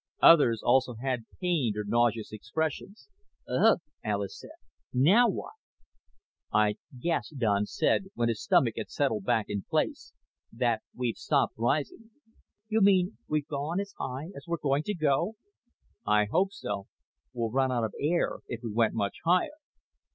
Others also had pained or nauseous expressions. "Ugh," Alis said. "Now what?" "I'd guess," Don said when his stomach had settled back in place, "that we've stopped rising." "You mean we've gone as high as we're going to go?" "I hope so. We'd run out of air if we went much higher."